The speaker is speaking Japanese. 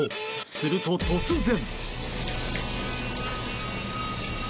すると、突然。